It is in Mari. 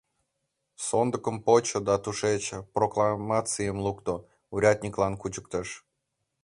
Сондыкым почо да тушеч прокламацийым лукто, урядниклан кучыктыш.